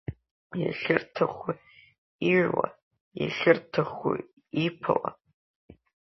Иахьырҭаху иҩуа, иахьырҭаху иԥауа…